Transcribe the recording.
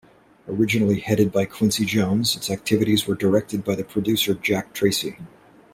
Originally headed by Quincy Jones, its activities were directed by the producer Jack Tracy.